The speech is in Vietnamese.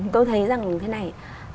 tôi thấy rằng như thế này